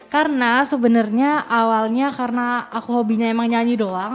karena sebenarnya awalnya karena aku hobinya emang nyanyi doang